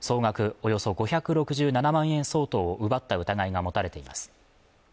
およそ５６７万円相当を奪った疑いが持たれています